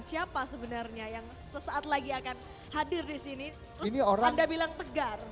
siapa sebenarnya yang sesaat lagi akan hadir di sini terus anda bilang tegar